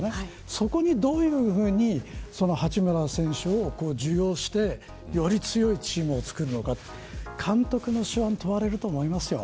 そこにどういうふうに八村選手を受容してより強いチームを作るのか監督の手腕が問われると思いますよ。